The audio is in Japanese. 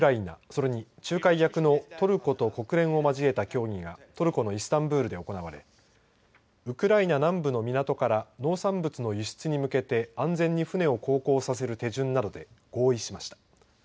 それに仲介役のトルコと国連を交えた協議がトルコのイスタンブールで行われウクライナ南部の港から農産物の輸出に向けて安全に船を航行させる手順などで合意しました。